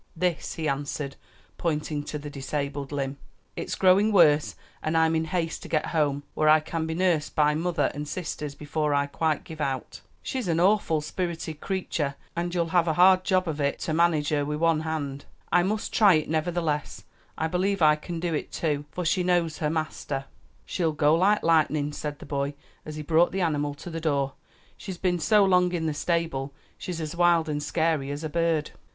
"This," he answered, pointing to the disabled limb; "it's growing worse, and I'm in haste to get home, where I can be nursed by mother and sisters, before I quite give out." "She's a awful sperited cratur, and you'll have a hard job o' it to manage her, with one hand." "I must try it, nevertheless; I believe I can do it too; for she knows her master." "She'll go like lightnin'," said the boy, as he brought the animal to the door; "she's been so long in the stable, she's as wild and scary as a bird."